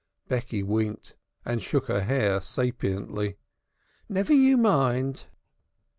Becky winked and shook her head sapiently. "Never you mind."